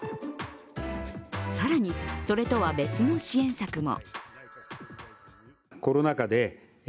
更に、それとは別の支援策も。